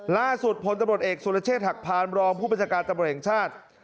ล่าสุดพลตำรวจเอกสุรเชษฐหักพานรองผู้บัญชาการตำรวจแห่งชาติ